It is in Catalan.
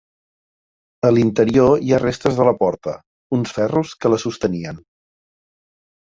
A l'interior hi ha restes de la porta: uns ferros que la sostenien.